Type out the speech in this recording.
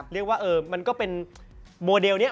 เรียกว่ามันก็เป็นโมเดลนี้